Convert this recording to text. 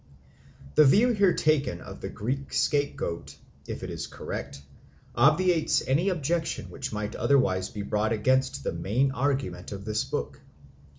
The view here taken of the Greek scapegoat, if it is correct, obviates an objection which might otherwise be brought against the main argument of this book.